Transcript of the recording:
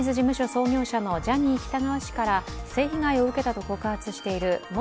創業者のジャニー喜多川氏から性被害を受けたと告発している元